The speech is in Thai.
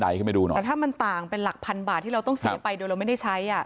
แต่ถ้ามันต่างเป็นหลักพันบาทที่เราต้องเซอไปโดยเราก็ไม่ได้ใช้